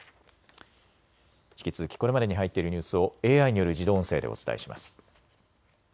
引き続きこれまでに入っているニュースをＡＩによる自動音声でお伝えします。